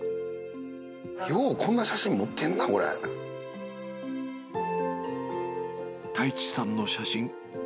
ようこんな写真持ってんな、太地さんの写真。